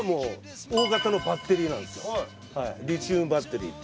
リチウムバッテリーっていう。